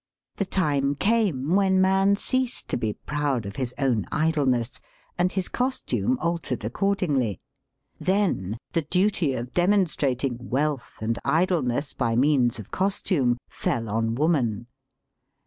The time came when man ceased to be proud of his own idleness, and his costume altered accord ingly. Then the duty of demonstrating wealth and idleness by means of costume fell on woman.